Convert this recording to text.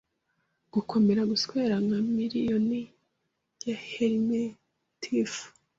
Gukomera guswera nka miriyoni ya helminths